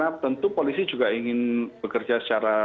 ya karena tentu polisi juga ingin bekerja secara tuntas